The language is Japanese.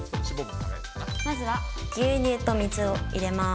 まずは牛乳と水を入れます。